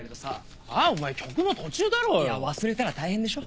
いや忘れたら大変でしょ。